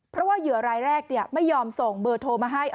เพราะว่าเหยื่อรายแรกไม่ยอมส่งเบอร์โทรมาให้